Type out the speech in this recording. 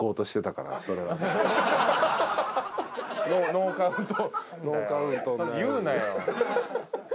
ノーカウント。